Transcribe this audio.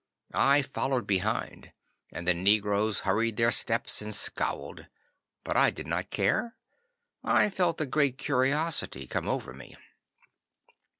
I followed behind, and the negroes hurried their steps and scowled. But I did not care. I felt a great curiosity come over me.